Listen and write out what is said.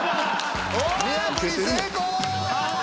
見破り成功！